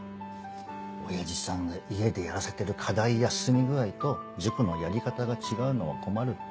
親父さんが家でやらせてる課題や進み具合と塾のやり方が違うのは困るって。